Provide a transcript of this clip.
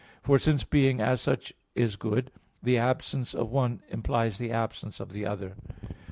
For since being, as such, is good, the absence of one implies the absence of the other.